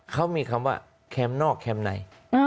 เขามีคำว่าแคมป์นอกแคมป์ใน